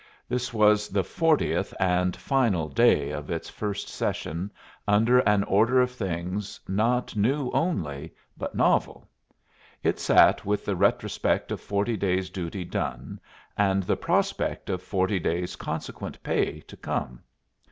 This was the fortieth and final day of its first session under an order of things not new only, but novel. It sat with the retrospect of forty days' duty done, and the prospect of forty days' consequent pay to come.